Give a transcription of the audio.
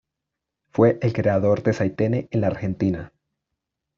Fue el creador del sainete en la Argentina.